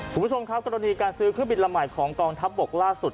คุณผู้ชมครับกรณีการซื้อเครื่องบินลำใหม่ของกองทัพบกล่าสุด